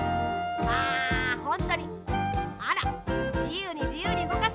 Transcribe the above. あほんとにあらじゆうにじゆうにうごかせるんですね。